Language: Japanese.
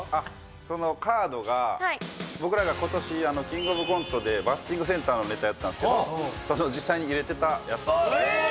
そのカードが僕らが今年「キングオブコント」でバッティングセンターのネタやったんすけど実際に入れてたやつですえー！